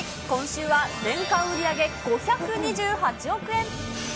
今週は年間売り上げ５２８億円。